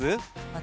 私？